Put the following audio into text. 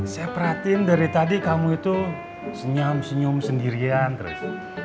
saya perhatiin dari tadi kamu itu senyam senyum sendirian terus